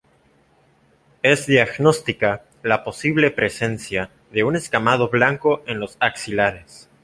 Es diagnóstica la posible presencia de un escamado blanco en los axilares.